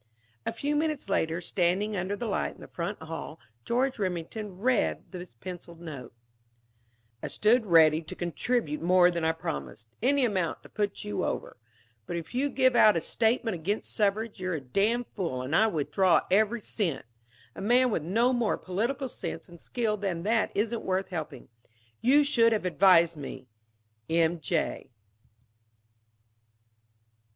A few minutes later, standing under the light in the front hall, George Remington read this penciled note: "I stood ready to contribute more than I promised any amount to put you over. But if you give out a statement against suffrage you're a damn fool and I withdraw every cent. A man with no more political sense and skill than that isn't worth helping. You should have advised me. "M. J."